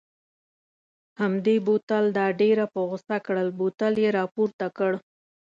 همدې بوتل دا ډېره په غوسه کړل، بوتل یې را پورته کړ.